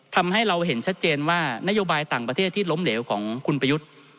ทำให้เราเห็นชัดเจนว่านโยบายต่างประเทศที่ล้มเหลวของคุณประยุทธ์